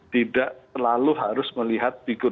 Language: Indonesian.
tidak selalu harus melihat figur